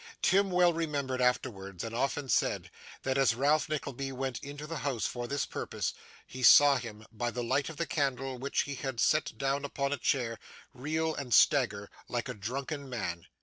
Tim well remembered afterwards, and often said, that as Ralph Nickleby went into the house for this purpose, he saw him, by the light of the candle which he had set down upon a chair, reel and stagger like a drunken man.